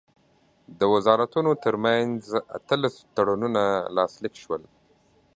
د وزارتونو ترمنځ اتلس تړونونه لاسلیک شول.